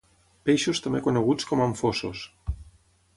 Peixos també coneguts com anfossos.